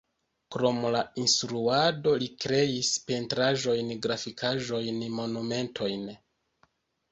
Krom la instruado li kreis pentraĵojn, grafikaĵojn, monumentojn.